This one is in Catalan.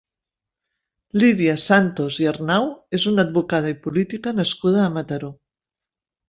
Lídia Santos i Arnau és una advocada i política nascuda a Mataró.